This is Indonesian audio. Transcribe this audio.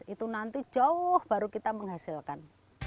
itu nanti jauh baru kita menghasilkan